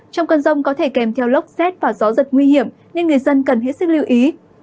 trong cơn rông có thể kèm theo lốc xét và gió giật nguy hiểm nên người dân cần hết sức lưu ý